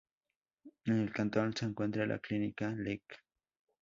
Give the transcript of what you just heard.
En el cantón se encuentra la Clínica Lic.